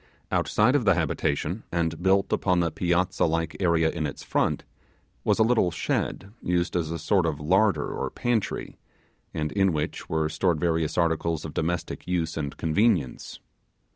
Outside of the habitation, and built upon the piazza like area in its front, was a little shed used as a sort of larder or pantry, and in which were stored various articles of domestic use and convenience.